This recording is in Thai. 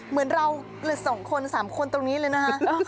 เหมือนเราสองคนสามคนตรงนี้เลยนะ